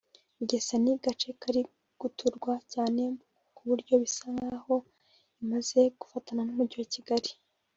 Bugesera ni agace kari guturwa cyane ku buryo bisa n’aho imaze gufatana n’Umujyi wa Kigali